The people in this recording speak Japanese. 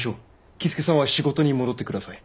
僖助さんは仕事に戻って下さい。